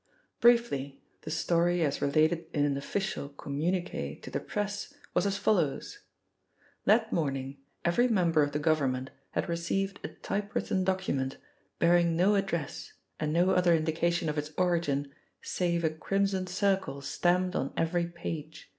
Briefly the story, as related in an official communique to the Press, was as follows: That morning every member of the Government had received a type written document, bearing no address and no other indication of its origin save a Crimson Circle stamped on every page.